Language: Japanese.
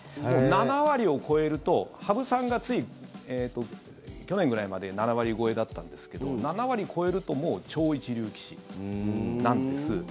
７割を超えると羽生さんが、つい去年ぐらいまで７割超えだったんですけど７割超えるともう超一流棋士なんです。